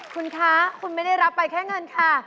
คุณคะคุณไม่ได้รับไปแค่เงินค่ะ